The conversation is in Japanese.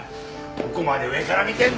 どこまで上から見てんだよ！